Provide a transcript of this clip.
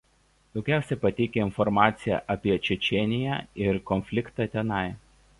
Daugiausiai pateikia informaciją apie Čečėniją ir konfliktą tenai.